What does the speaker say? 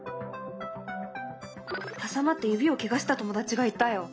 挟まって指をケガした友達がいたよ。